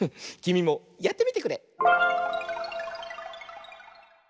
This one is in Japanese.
きみもやってみてくれ！